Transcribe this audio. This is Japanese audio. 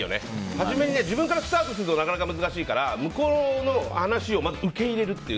初めに自分からスタートするのはなかなか難しいから向こうの話をまず受け入れるという。